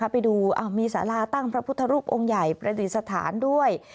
ไปดูมีสาราตั้งพระพุทธรูปองค์ใหญ่ประดิษฐานด้วย